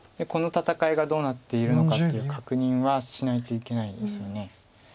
この戦いがどうなっているのかっていう確認はしないといけないですよね。